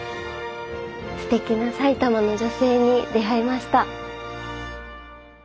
ステキな埼玉の女性に出会えました。